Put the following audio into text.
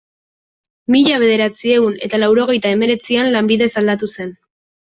Mila bederatziehun eta laurogeita hemeretzian, lanbidez aldatu zen.